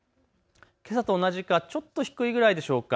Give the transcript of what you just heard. けさと同じかちょっと低いくらいでしょうか。